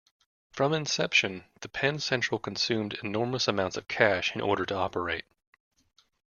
From inception, the Penn Central consumed enormous amounts of cash in order to operate.